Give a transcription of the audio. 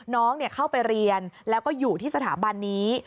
น้องเข้าไปเรียนแล้วก็อยู่ที่สถาบันนี้